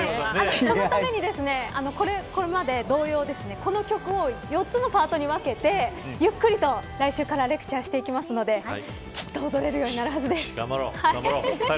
これまで同様この曲を４つのパートに分けてゆっくりと来週からレクチャーしていきますのできっと踊れるようになるはずです。